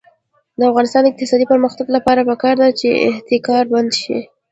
د افغانستان د اقتصادي پرمختګ لپاره پکار ده چې احتکار بند شي.